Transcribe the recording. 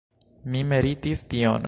Mi meritis tion!